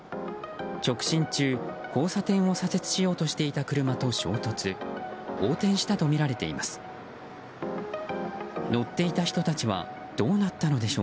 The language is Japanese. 直進中、交差点を左折しようとしていた車と衝突横転したとみられています。